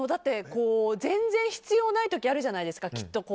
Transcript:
全然必要ない時あるじゃないですか。